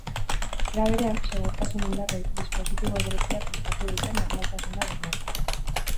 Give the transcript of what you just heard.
Era berean, segurtasun indarrek dispositibo berezia prestatu dute normaltasuna bermatzeko.